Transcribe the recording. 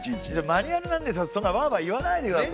マニュアルなんですからそんなわわ言わないでください。